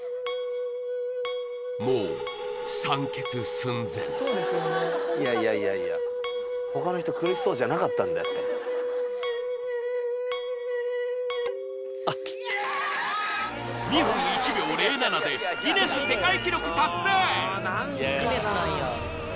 もういやいやいや他の人苦しそうじゃなかったんだって２分１秒０７でギネス世界記録達成！